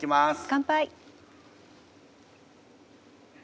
乾杯。